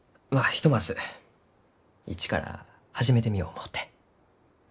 ひとまず一から始めてみよう思うて。